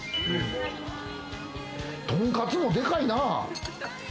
とんかつもでかいなぁ。